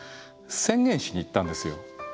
宣言しに行ったんですよ。